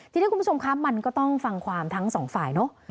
ทีนี้คุณผู้ชมคะมันก็ต้องฟังความทั้งสองฝ่ายเนอะ